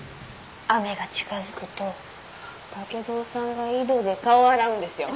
雨が近づくと竹造さんが井戸で顔洗うんですよ。